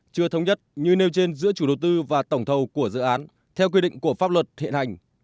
chưa thống nhất như nêu trên giữa chủ đầu tư và tổng thầu của dự án theo quy định của pháp luật hiện hành